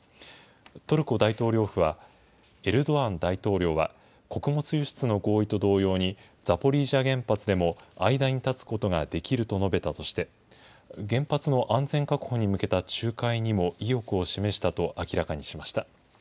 トルコ大統領府はエルドアン大統領は穀物輸出の合意と同様に、ザポリージャ原発でも間に立つことができると述べたとして、原発の安全確保に向けた仲介にも意欲を示したと明らかにしました。